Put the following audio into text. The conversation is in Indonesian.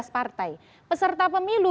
empat belas partai peserta pemilu